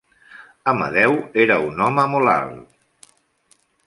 Amedeo era un home molt alt.